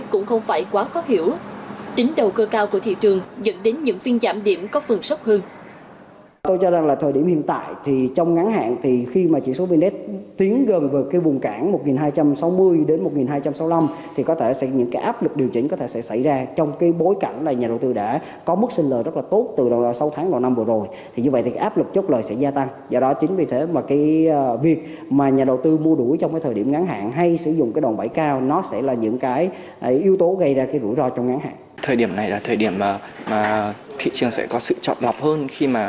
cũng không phải quá khó hiểu tính đầu cơ cao của thị trường dẫn đến những phiên giảm điểm có phần sốc hơn